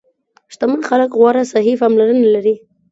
شتمن خلک غوره صحي پاملرنه لري.